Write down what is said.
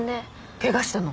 ケガしたの？